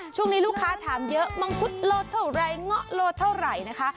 ช่วงนี้ลูกค้าถามเยอะมังคุดโลเท่าไรเงาะโลเท่าไหร่นะคะ